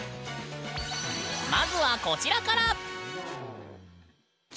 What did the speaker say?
まずはこちらから。